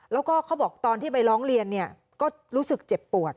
แล้วก็เขาบอกตอนที่ไปร้องเรียนเนี่ยก็รู้สึกเจ็บปวด